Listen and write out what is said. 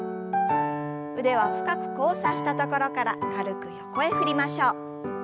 腕は深く交差したところから軽く横へ振りましょう。